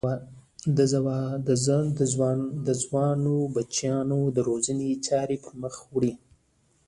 د ځوانو بچیانو د روزنې چارې پر مخ ویوړې.